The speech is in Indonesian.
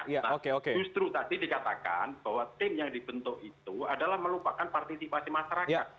nah justru tadi dikatakan bahwa tim yang dibentuk itu adalah melupakan partisipasi masyarakat